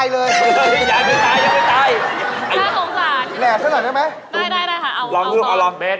ลองลอง